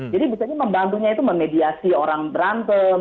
jadi misalnya membantunya itu memediasi orang berantem